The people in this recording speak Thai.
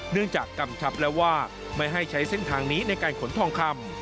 เนื่องจากกำชับแล้วว่าไม่ให้ใช้เส้นทางนี้ในการขนทองคำ